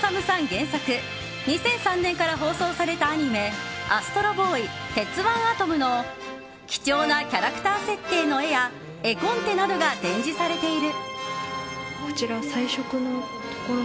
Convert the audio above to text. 原作２００３年から放送されたアニメ「ＡＳＴＲＯＢＯＹ鉄腕アトム」の貴重なキャラクター設定の絵や絵コンテなどが展示されている。